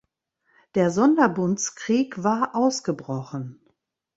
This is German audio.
Der Sonderbundskrieg war ausgebrochen.